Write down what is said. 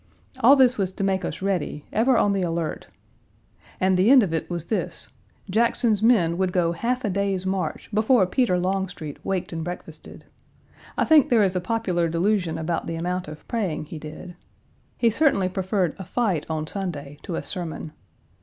All this was to make us ready, ever on the alert. And the end of it was this: Jackson's men would go half a day's march before Peter Longstreet waked and breakfasted. I think there is a popular delusion about the amount of praying he did. He certainly preferred a fight on Sunday to a sermon.